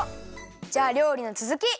じゃありょうりのつづき！